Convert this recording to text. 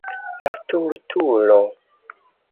La stultulo.